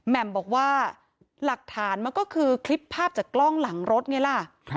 แหม่มบอกว่าหลักฐานมันก็คือคลิปภาพจากกล้องหลังรถไงล่ะ